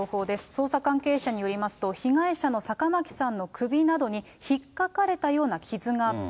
捜査関係者によりますと、被害者の坂巻さんの首などに、ひっかかれたような傷があった。